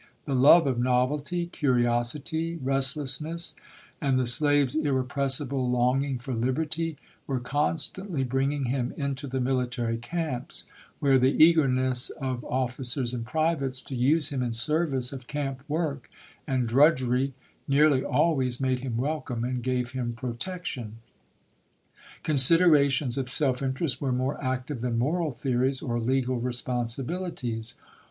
The love of novelty, curiosity, restlessness, and the slave's irrepressible longing for liberty were constantly bringing him into the military camps, where the eagerness of officers and privates to use him in service of camp work and drudgery nearly always made him welcome, and gave him protection. Considerations of self inter est were more active than moral theories or legal responsibilities.